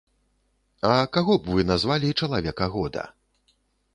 А каго б вы назвалі чалавека года?